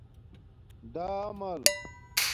ڈآمل